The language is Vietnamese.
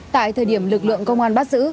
tại thời điểm lực lượng công an bắt giữ